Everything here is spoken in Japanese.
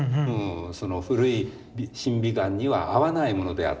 その古い審美眼には合わないものである。